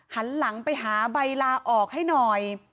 หันหลังไปหาใบลาออกให้หน่อย